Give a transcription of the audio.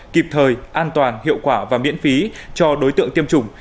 kịp thời an toàn hiệu quả và miễn phí cho đối tượng tiêm chủng